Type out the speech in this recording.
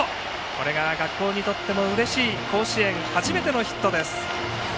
これが学校にとってのうれしい甲子園初めてのヒット。